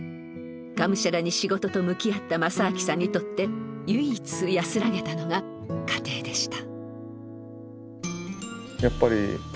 がむしゃらに仕事と向き合った政昭さんにとって唯一安らげたのが家庭でした。